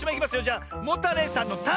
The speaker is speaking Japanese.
じゃモタレイさんの「タ」！